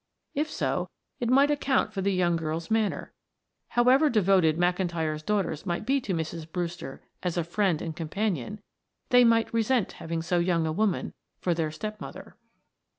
If so, it might account for the young girl's manner however devoted McIntyre's daughters might be to Mrs. Brewster as a friend and companion, they might resent having so young a woman for their step mother.